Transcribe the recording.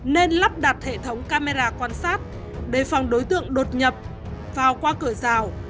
nên lắp đặt hệ thống camera quan sát đề phòng đối tượng đột nhập vào qua cửa rào